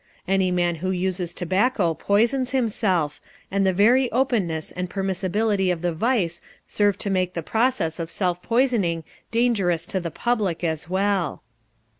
Any man who uses tobacco poisons himself, and the very openness and permissibility of the vice serve to make the process of self poisoning dangerous to the public as well.